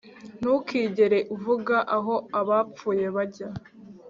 Ntukigere uvuga aho abapfuye bajya